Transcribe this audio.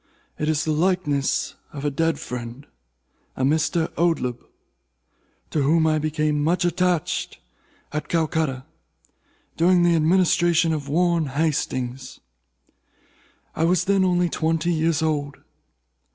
It is the likeness of a dead friend—a Mr. Oldeb—to whom I became much attached at Calcutta, during the administration of Warren Hastings. I was then only twenty years old.